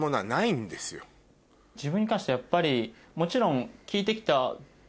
自分に関してやっぱりもちろん。